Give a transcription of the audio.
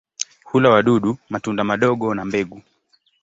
Hula wadudu, matunda madogo na mbegu.